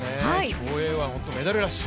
競泳は本当にメダルラッシュ。